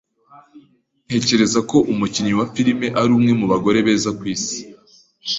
Ntekereza ko umukinnyi wa filime ari umwe mu bagore beza ku isi.